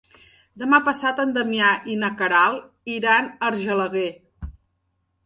Demà passat en Damià i na Queralt iran a Argelaguer.